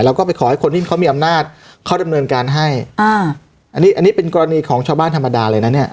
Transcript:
แล้วก็ไปขอให้คนที่เขามีอำนาจเขาดำเนินการให้อ่าอันนี้อันนี้เป็นกรณีของชาวบ้านธรรมดาเลยนะเนี่ย